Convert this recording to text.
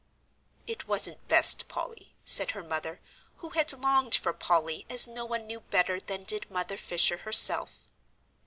"It wasn't best, Polly," said her mother, who had longed for Polly as no one knew better than did Mother Fisher herself.